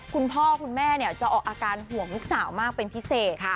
คุณพ่อคุณแม่จะออกอาการห่วงลูกสาวมากเป็นพิเศษ